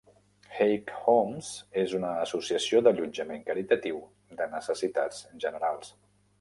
Haig Homes és una associació d'allotjament caritatiu de necessitats generals.